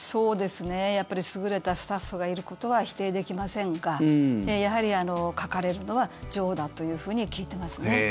やっぱり優れたスタッフがいることは否定できませんがやはり書かれるのは女王だというふうに聞いていますね。